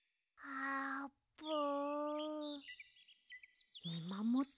あーぷん！